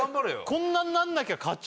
こんなんなんなきゃ勝ち